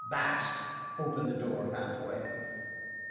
Basque opened the door half way.